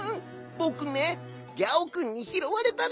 ぼくねギャオくんにひろわれたの。